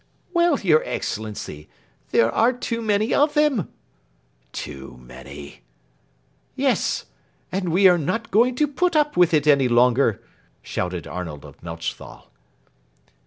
"Well, your Excellency, there are too many of them." "Too many!" "Yes. And we are not going to put up with it any longer!" shouted Arnold of Melchthal.